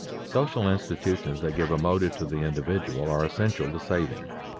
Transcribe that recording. _Social institutions that give a motive to the individual are essential to saving.